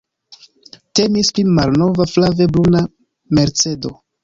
Temis pri malnova flave bruna Mercedo.